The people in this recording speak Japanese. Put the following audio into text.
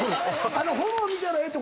炎見たらええって